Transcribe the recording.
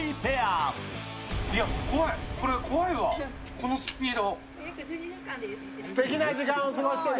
このスピード。